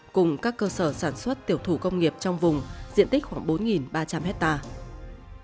cùng các cơ sở sản xuất tiểu thủ công nghiệp trong vùng diện tích khoảng bốn ba trăm linh hectare